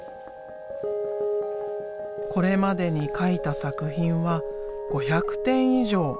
これまでに描いた作品は５００点以上。